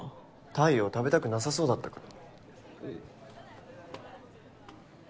太陽食べたくなさそうだったから。